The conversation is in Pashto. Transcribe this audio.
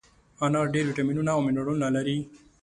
انار ډېر ویټامینونه او منرالونه لري.